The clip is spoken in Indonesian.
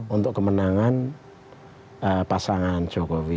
untuk kemenangan pasangan jokowi